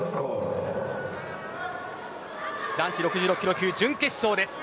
男子６６キロ級準決勝です。